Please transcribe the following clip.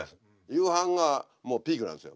夕飯がもうピークなんですよ